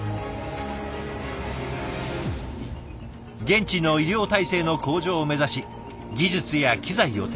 現地の医療体制の向上を目指し技術や機材を提供。